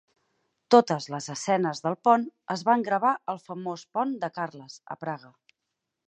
Totes les escenes del pont es van gravar al famós pont de Carles a Praga.